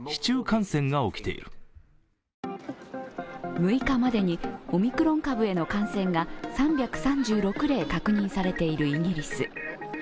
６日までにオミクロン株への感染が３３６例確認されているイギリス。